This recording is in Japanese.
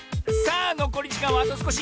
あのこりじかんはあとすこし！